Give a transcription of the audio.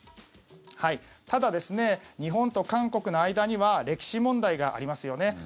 ただ、日本と韓国の間には歴史問題がありますよね。